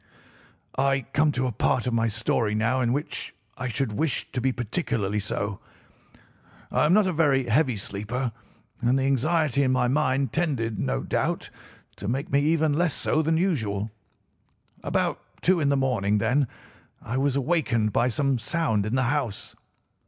"I come to a part of my story now in which I should wish to be particularly so. I am not a very heavy sleeper, and the anxiety in my mind tended, no doubt, to make me even less so than usual. About two in the morning, then, I was awakened by some sound in the house.